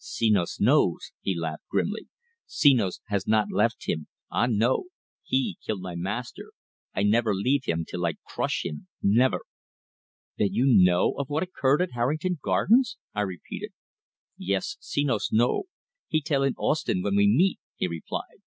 "Senos knows," he laughed grimly. "Senos has not left him ah, no! He kill my master. I never leave him till I crush him never!" "Then you know, of what occurred at Harrington Gardens?" I repeated. "Yes, Senos know. He tell in Ostend when we meet," he replied.